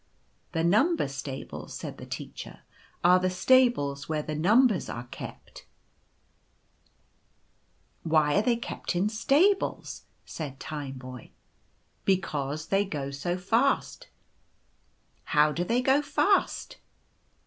" The Number Stables," said the Teacher, " are the stables where the numbers are kept/' " Why are they kept in stables ?" said Tineboy. " Because they go so fast." " How do they go fast